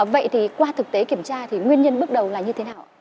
vậy thì qua thực tế kiểm tra thì nguyên nhân bước đầu là như thế nào